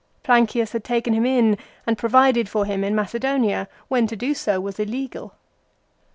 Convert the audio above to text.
Plancius had taken him in and provided for him in Macedonia, when to do so was illegal.